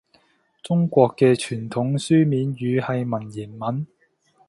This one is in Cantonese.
中國嘅傳統書面語係文言文